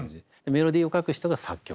メロディーを書く人が作曲家。